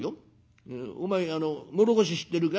お前あの唐土知ってるか？」。